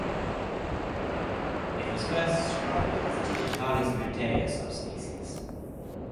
It was first described as "Digitalis lutea" subsp.